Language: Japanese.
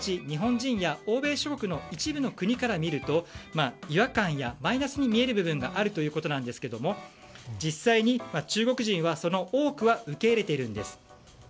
日本人や欧米諸国の一部の国から見ると違和感やマイナスに見える部分もあるんですが実際に中国人の多くは受け入れているんです。